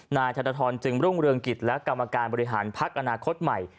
นายธนทรจึงรุ่งเรืองกิจและกรรมการบริหารพักอนาคตใหม่